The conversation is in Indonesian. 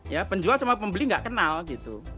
ya penjual sama pembeli nggak kenal gitu